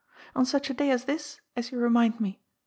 On such a day as this, as you remind me.